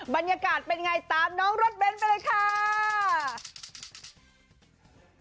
บรรยากาศเป็นไงตามน้องรถเบ้นไปเลยค่ะ